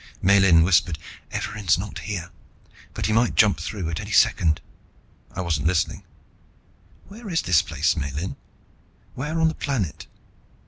Miellyn whispered, "Evarin's not here, but he might jump through at any second." I wasn't listening. "Where is this place, Miellyn? Where on the planet?"